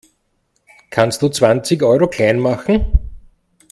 Kannst du zwanzig Euro klein machen?